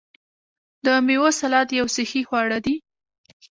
د میوو سلاد یو صحي خواړه دي.